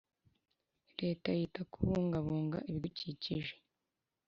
leta yita ku kubungabunga ibidukikije